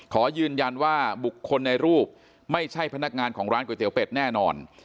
ขอยืนยันว่าบุคคลในรูปไม่ใช่พนักงานของร้านก๋วยเตี๋เป็ดแน่นอน